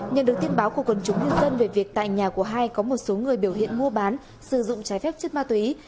nhận được tin báo của quần chúng nhân dân về việc tại nhà của hai có một số người biểu hiện mua bán sử dụng trái phép chất ma túy